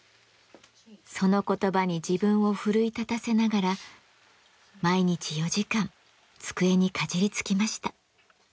その言葉に自分を奮い立たせながら毎日４時間机にかじりつきました。